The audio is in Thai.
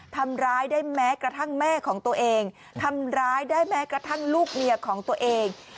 ทำร้ายได้แม้กระทั่งแม่ของตัวเองทำร้ายได้แม้กระทั่งลูกเมียของตัวเอง